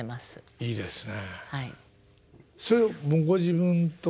いいですね。